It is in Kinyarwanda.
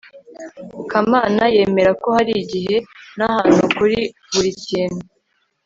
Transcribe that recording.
kamana yemera ko hari igihe nahantu kuri buri kintu